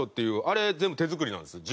あれ全部手作りなんですよ。